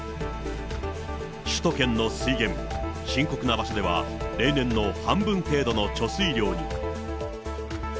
首都圏の水源、深刻な場所では、例年の半分程度の貯水量に。